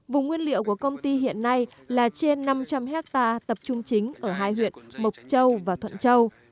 vùng nguyên liệu của công ty hiện nay là trên năm trăm linh hectare tập trung chính ở hai huyện mộc châu và thuận châu